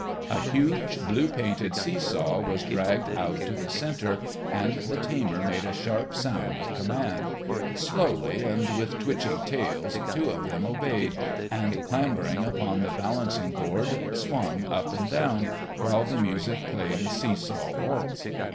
A huge, blue painted see saw was dragged out to the centre, and the tamer made a sharp sound of command. Slowly, and with twitching tails, two of them obeyed and clambering upon the balancing board swung up and down, while the music played a see saw waltz.